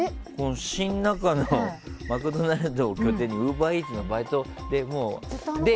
新中野マクドナルドを拠点にウーバーイーツのバイトで。